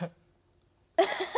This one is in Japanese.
アハハハ！